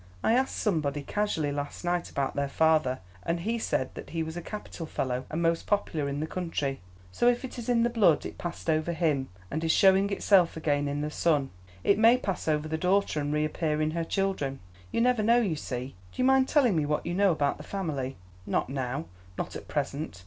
I asked somebody casually last night about their father, and he said that he was a capital fellow and most popular in the country; so if it is in the blood it passed over him, and is showing itself again in the son. It may pass over the daughter and reappear in her children. You never know, you see. Do you mind telling me what you know about the family?" "Not now; not at present.